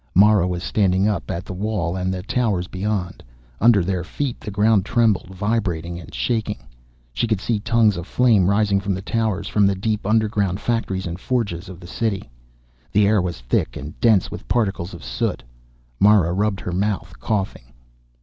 Mara was staring up at the wall and the towers beyond. Under their feet the ground trembled, vibrating and shaking. She could see tongues of flame rising from the towers, from the deep underground factories and forges of the City. The air was thick and dense with particles of soot. Mara rubbed her mouth, coughing.